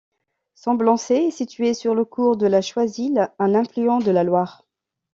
Semblançay est situé sur le cours de la Choisille, un affluent de la Loire.